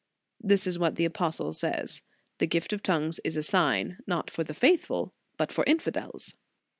This is what the apostle says: The gift of tongues is a sign, not for the faithful, but for infidels.